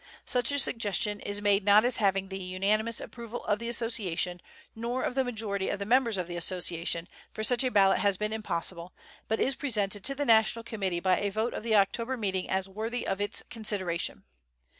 Such a suggestion is made not as having the unanimous approval of the Association, nor of the majority of the members of the association, for such a ballot has been impossible, but is presented to the National Committee by a vote of the October meeting as worthy of its consideration.